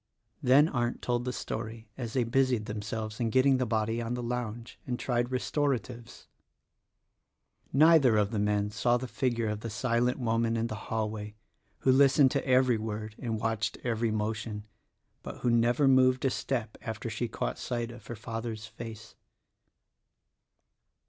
Then Arndt told the story as they busied themselves in getting the body on the lounge and tried restoratives. Neither of the men saw the figure of the silent woman in the hallway who listened to every word and watched every motion — but who never moved a step after she caught sight of her father's face.